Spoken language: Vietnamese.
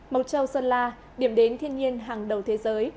mộc châu sơn la điểm đến thiên nhiên hàng đầu thế giới